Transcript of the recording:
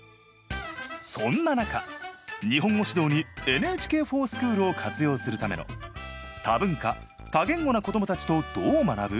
そんな中日本語指導にＮＨＫｆｏｒＳｃｈｏｏｌを活用するための「多文化・多言語な子どもたちとどう学ぶ？